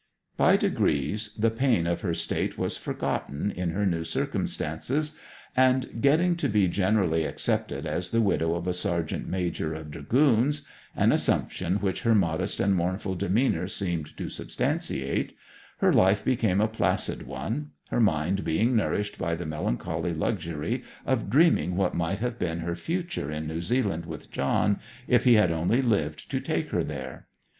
By degrees the pain of her state was forgotten in her new circumstances, and getting to be generally accepted as the widow of a sergeant major of dragoons an assumption which her modest and mournful demeanour seemed to substantiate her life became a placid one, her mind being nourished by the melancholy luxury of dreaming what might have been her future in New Zealand with John, if he had only lived to take her there.